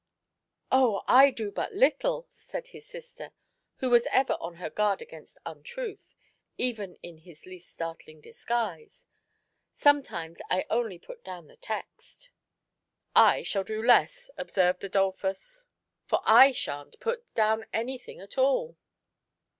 "Oh, I do but little !" said his sister, who was ever on her guard against untruth, even in his least startling disguise ; ''sometimes I only put down the text." "I shall do less," observed Adolphus, "for I shan't put down anything at all."